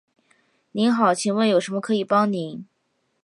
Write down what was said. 您好，请问有什么可以帮您？